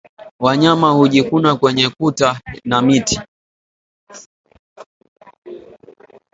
Wanyama hujikuna kwenye kuta na miti